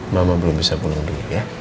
mama belum bisa pulang dulu ya